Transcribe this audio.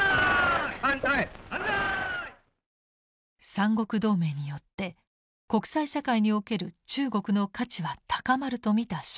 三国同盟によって国際社会における中国の価値は高まると見た介石。